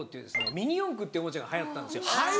ミニ四駆っておもちゃが流行ってたんですよ。